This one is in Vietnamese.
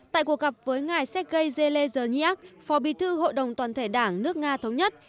tại cuộc gặp với ngài sergei zelles phó bí thư hội đồng toàn thể đảng nước nga thống nhất